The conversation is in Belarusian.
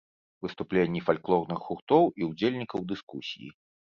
Выступленні фальклорных гуртоў і ўдзельнікаў дыскусіі.